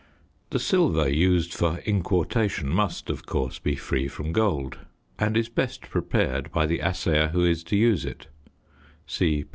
The silver used for inquartation must, of course, be free from gold and is best prepared by the assayer who is to use it (see p.